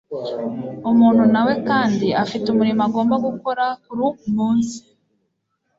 Umuntu nawe kandi afite umurimo agomba gukora kuri uwo munsi